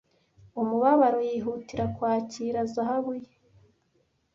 umubabaro yihutira kwakira zahabu ye